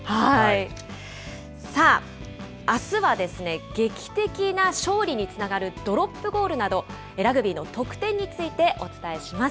さあ、あすはですね、劇的な勝利につながるドロップゴールなど、ラグビーの得点についてお伝えします。